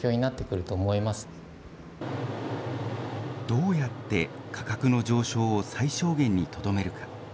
どうやって価格の上昇を最小限にとどめるか。